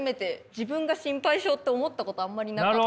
自分が心配性って思ったことあんまりなかったので。